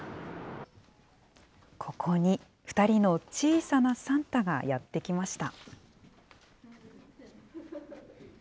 ここに、２人の小さなサンタがやって来ました。